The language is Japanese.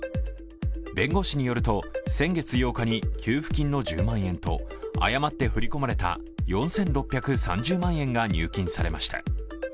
弁護士によると、先月８日に給付金の１０万円と、誤って振り込まれた４６３０万円が入金されました。